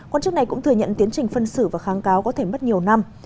quan chức này cũng thừa nhận tiến trình phân xử và kháng cáo có thể mất nhiều năm